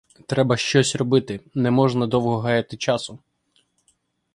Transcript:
Треба щось робити; не можна довго гаяти часу.